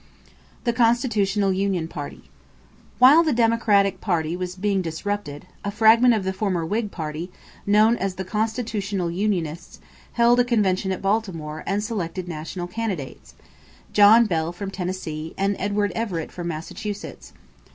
=The Constitutional Union Party.= While the Democratic party was being disrupted, a fragment of the former Whig party, known as the Constitutional Unionists, held a convention at Baltimore and selected national candidates: John Bell from Tennessee and Edward Everett from Massachusetts.